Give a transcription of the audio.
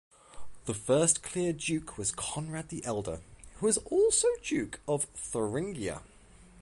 The first clear duke was Conrad the Elder, who was also Duke of Thuringia.